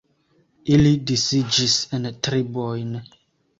Ili disiĝis en tribojn.